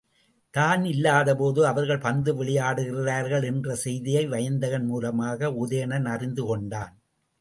தான் இல்லாதபோது அவர்கள் பந்து விளையாடுகிறார்கள் என்ற செய்தியை வயந்தகன் மூலமாக உதயணன் அறிந்து கொண்டான்.